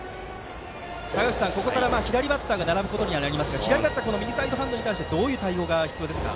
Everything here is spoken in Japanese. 坂口さん、ここから左バッターが並ぶことになりますが左バッターは右サイドに対してどういう対応が必要ですか。